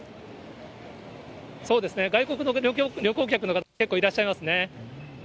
そうですね、外国の旅行客の方、結構いらっしゃいますね。